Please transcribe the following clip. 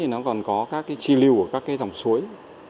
nó còn có các tri lưu của các dòng suối